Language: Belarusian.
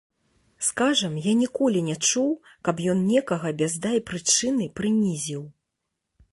Скажам, я ніколі не чуў, каб ён некага без дай прычыны прынізіў.